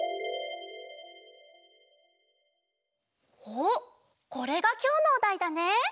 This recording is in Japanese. おっこれがきょうのおだいだね！